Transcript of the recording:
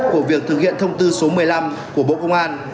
của việc thực hiện thông tư số một mươi năm của bộ công an